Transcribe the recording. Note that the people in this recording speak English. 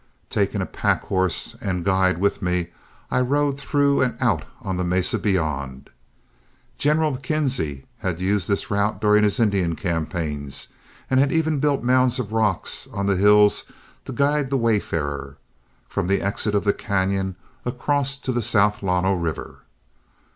Taking a pack horse and guide with me, I rode through and out on the mesa beyond. General McKinzie had used this route during his Indian campaigns, and had even built mounds of rock on the hills to guide the wayfarer, from the exit of the cañon across to the South Llano River.